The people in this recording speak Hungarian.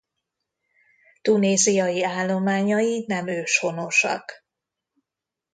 Tunéziai állományai nem őshonosak.